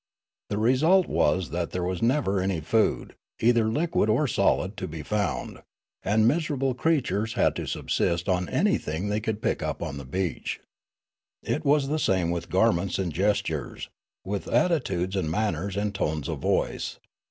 The result was that there was never any food, either liquid or solid, to be found, and the miserable creatures had to subsist on anything the}' could pick up on the beach. It was the same with garments and gestures, with atti tudes and manners and tones of voice.